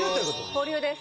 保留です。